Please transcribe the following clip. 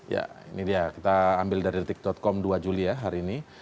ya ini dia kita ambil dari detik com dua juli ya hari ini